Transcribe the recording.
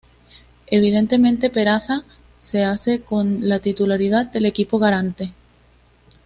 Evidentemente, Peraza se hace con la titularidad del equipo granate.